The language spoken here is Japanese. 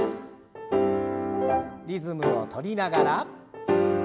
リズムを取りながら。